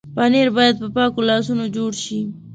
پنېر باید په پاکو لاسونو جوړ شي.